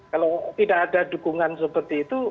kalau tidak ada dukungan seperti itu